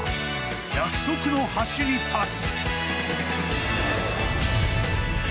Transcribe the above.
約束の橋に立つ。